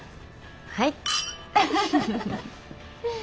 はい！